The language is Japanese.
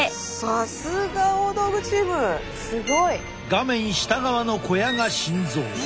画面下側の小屋が心臓。